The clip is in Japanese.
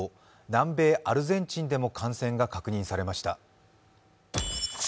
南米アルゼンチンでも感染が確認されました。